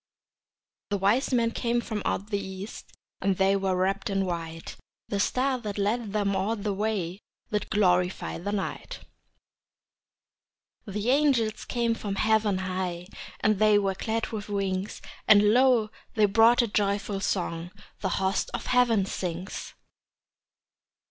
The wise men came from out the east, And they were wrapped in white; The star that led them all the way Did glorify the night. The angels came from heaven high, And they were clad with wings; And lo, they brought a joyful song The host of heaven sings.